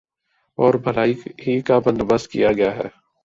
اور بھلائی ہی کا بندو بست کیا گیا ہے